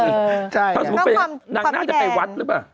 น่าจะไปวัดหรือเปล่า